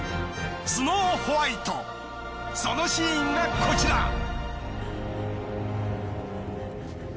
『スノーホワイト』そのシーンがこちら。